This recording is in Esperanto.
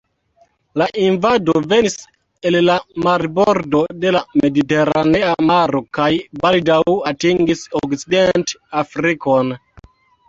La invado venis el la marbordo de la Mediteranea maro kaj baldaŭ atingis Okcident-Afrikon.